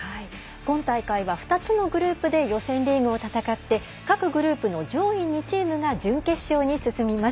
今大会は２つのグループで予選リーグを戦って各グループの上位２チームが準決勝に進みます。